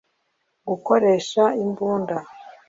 gukoresha imbunda